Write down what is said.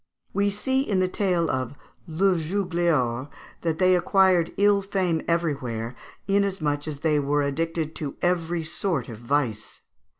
We see in the tale of "Le Jugleor" that they acquired ill fame everywhere, inasmuch as they were addicted to every sort of vice.